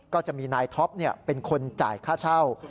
ก็จะมีนายท็อปเป็นคนจ่ายค่าเช่า